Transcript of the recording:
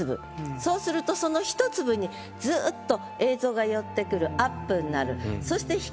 そうするとその一粒にずっと映像が寄ってくるアップになる。